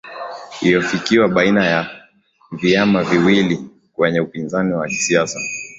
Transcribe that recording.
iofikiwa baina ya viama viwili vyenye upinzani wa kisiasa